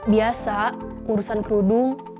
biasa urusan kerudung